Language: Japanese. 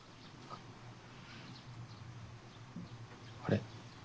あれ？